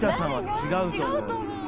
違うと思う。